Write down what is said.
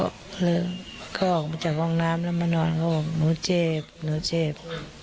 ก็เลยเขาออกมาจากห้องน้ำแล้วมานอนเขาบอกหนูเจ็บหนูเจ็บ